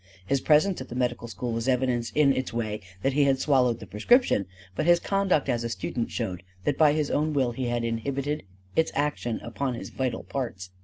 His presence at the medical school was evidence in its way that he had swallowed the prescription; but his conduct as a student showed that by his own will he had inhibited its action upon his vital parts.